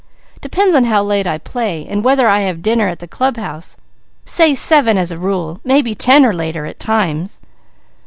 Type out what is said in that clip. "Depends on how late I play, and whether I have dinner at the club house, say seven as a rule, maybe ten or later at times."